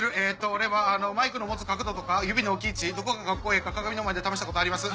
俺はマイクの持つ角度とか指の置き位置どこがカッコええか鏡の前で試したことあります！